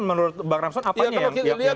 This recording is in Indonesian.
menurut bang ramson apanya yang tidak signifikan